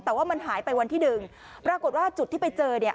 แต่ว่ามันหายไปวันที่หนึ่งปรากฏว่าจุดที่ไปเจอเนี่ย